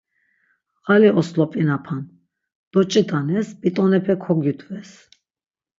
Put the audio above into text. Ğali oslop̆inapan: doç̆it̆anes, bit̆onepe kogudves!